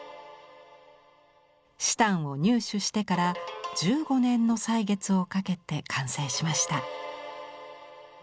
紫檀を入手してから１５年の歳月をかけて完成しました。